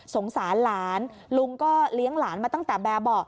สงสารหลานลุงก็เลี้ยงหลานมาตั้งแต่แบบเบาะ